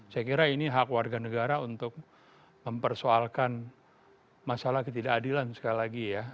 saya kira ini hak warga negara untuk mempersoalkan masalah ketidakadilan sekali lagi ya